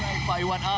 oke baik pak iwan